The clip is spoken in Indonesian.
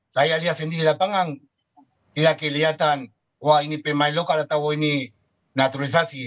saya lihat sendiri di lapangan tidak kelihatan wah ini pemain lokal atau wah ini naturalisasi